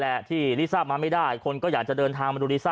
ท่านก็แค่กระเสียใจที่รีซ่ามาไม่ได้คนก็อยากจะเดินทางมาดูรีซ่า